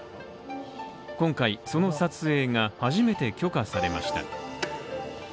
今回、その撮影が初めて許可されました。